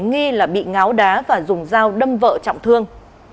nghi là bị ngáo đá và dùng dao đâm vợ trọng thương